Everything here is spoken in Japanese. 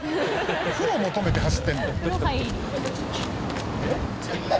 「風呂を求めて走ってんの？」